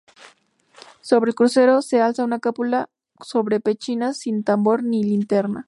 Sobre el crucero se alza una cúpula sobre pechinas, sin tambor ni linterna.